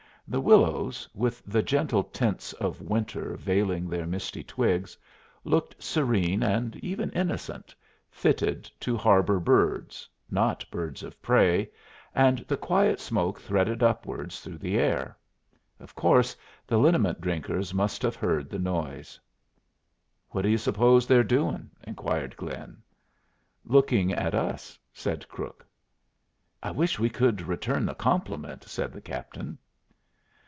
The willows, with the gentle tints of winter veiling their misty twigs, looked serene and even innocent, fitted to harbor birds not birds of prey and the quiet smoke threaded upwards through the air. Of course the liniment drinkers must have heard the noise. "What do you suppose they're doing?" inquired Glynn. "Looking at us," said Crook. "I wish we could return the compliment," said the captain.